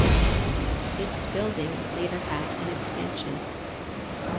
Its building later had an expansion.